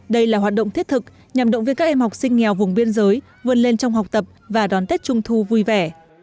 đây là hoạt động thiết thực nhằm động viên các em học sinh nghèo vùng biên giới vươn lên trong học tập và đón tết trung thu vui vẻ